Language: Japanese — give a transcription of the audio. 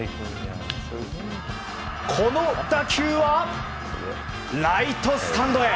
この打球はライトスタンドへ。